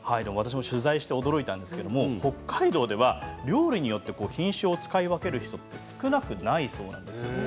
取材して驚いたんですが北海道では料理によって品種を使い分ける人が少なくないそうです。